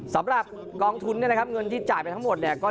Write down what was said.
สำหรับกองทุนเนี่ยนะครับเงินที่จ่ายไปทั้งหมดเนี่ย